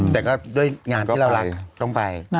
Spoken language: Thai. แต่ก็ด้วยงานที่เรารักต้องไป